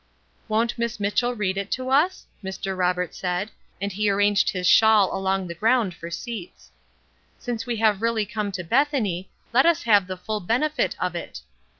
"Won't Miss Mitchell read it to us?" Mr. Roberts said, and he arranged his shawl along the ground for seats. "Since we have really come to Bethany, let us have the full benefit of it.